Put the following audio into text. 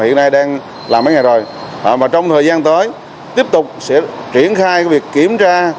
hiện nay đang làm mấy ngày rồi và trong thời gian tới tiếp tục sẽ triển khai việc kiểm